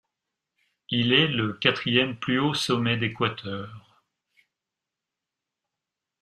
Il est le quatrième plus haut sommet d'Équateur.